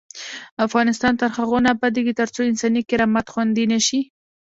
افغانستان تر هغو نه ابادیږي، ترڅو انساني کرامت خوندي نشي.